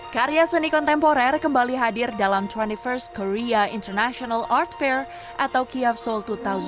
karya seni kontemporer kembali hadir dalam dua puluh satu st korea international art fair atau kiaf seoul dua ribu dua puluh dua